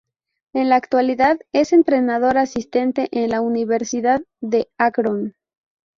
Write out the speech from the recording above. En la actualidad es entrenador asistente en la Universidad de Akron.